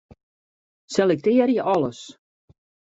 Selektearje alles.